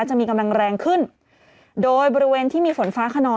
จะมีกำลังแรงขึ้นโดยบริเวณที่มีฝนฟ้าขนอง